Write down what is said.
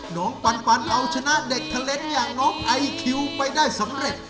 น้องปันปันเอาชนะเด็กเทล็นต์อย่างน้องไอคิวไปได้สำเร็จ